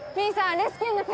レスキューの方